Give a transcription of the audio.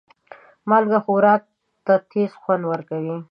مالګه خوراک ته تیز خوند ورکوي.